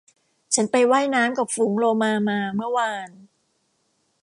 ฉันไปว่ายน้ำกับฝูงโลมามาเมื่อวาน